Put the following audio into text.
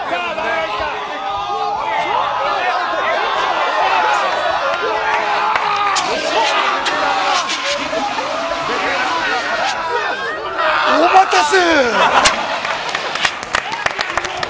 お待たせ！